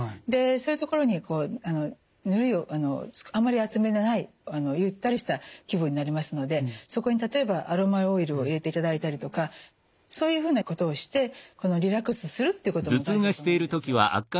でそういうところにぬるいあんまり熱めでないゆったりした気分になりますのでそこに例えばアロマオイルを入れていただいたりとかそういうふうなことをしてリラックスするということも大事だと思うんですよ。